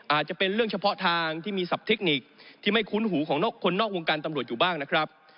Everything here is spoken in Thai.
อาจจะเป็นเรื่องเฉพาะทางที่ไม่คุ้นหูของคนนอกวงการตำรวจนะครับ